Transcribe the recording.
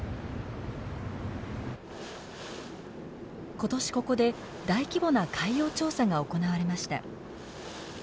今年ここで大規模な海洋調査が行われました。